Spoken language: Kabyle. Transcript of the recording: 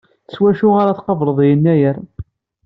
S wacu ara tqableḍ Yennayer?